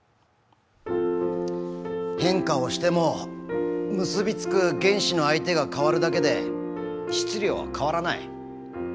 変化をしても結び付く原子の相手がかわるだけで質量は変わらない。